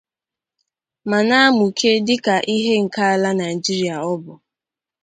ma na-amụke dịka ihe nke ala Nigeria ọ bụ